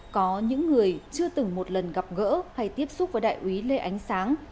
có những người chưa từng một lần gặp gỡ hay tiếp xúc với đại úy lê ánh sáng